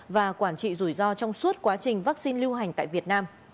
và quản trị rủi ro trong suốt quá trình vaccine lưu hành tại việt nam